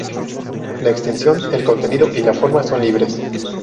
La extensión, el contenido y la forma son libres.